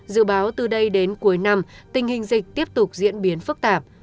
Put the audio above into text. dự báo từ đây đến cuối năm tình hình dịch tiếp tục diễn biến phức tạp